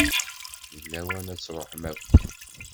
D lawan ad d-truḥem akk.